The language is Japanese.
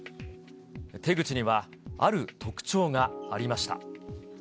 手口にはある特徴がありました。